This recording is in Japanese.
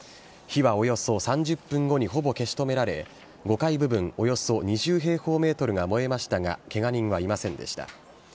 火はおよそ３０分後にほぼ消し止められ、５階部分およそ２０平方メートルが燃えましたが、けが人はいませんでした。